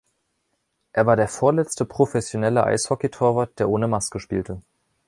Er war der vorletzte professionelle Eishockey-Torwart, der ohne Maske spielte.